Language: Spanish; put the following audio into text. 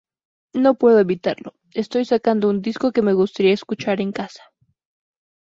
No puedo evitarlo, estoy sacando un disco que me gustaría escuchar en casa".